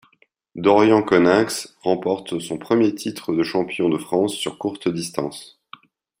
Dorian Coninx remporte son premier titre de champion de France sur courte distance.